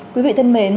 quý vị thân mến